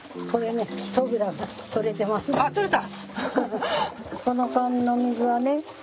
あ取れた！